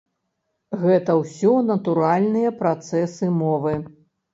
Гэта ўсё натуральныя працэсы мовы.